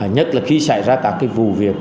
nhất là khi xảy ra các vụ việc